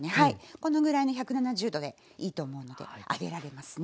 このぐらいの１７０℃でいいと思うので揚げられますね。